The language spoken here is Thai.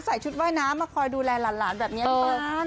ใส่ชุดว่ายน้ำมาคอยดูแลหลานแบบนี้พี่เบิร์ต